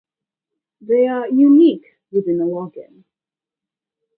They are unique within a login